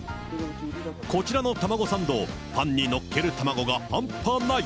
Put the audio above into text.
こちらのタマゴサンド、パンにのっけるたまごが半端ない。